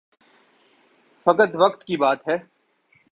فقط وقت کی بات ہے۔